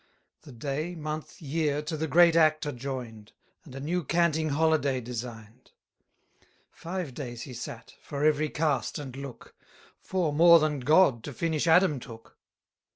The day, month, year, to the great act are join'd: And a new canting holiday design'd. Five days he sate, for every cast and look Four more than God to finish Adam took.